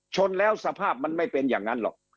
ชนแล้วสภาพมันไม่เป็นอย่างนั้นหรอก